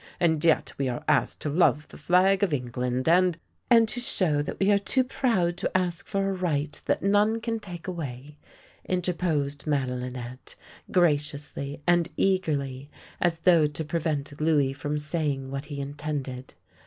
" And yet we are asked to love the flag of England and "" And to show that we are too proud to ask for a right that none can take away," interposed Madeli nette, graciously and eagerly, as though to prevent Louis from saying what he intended.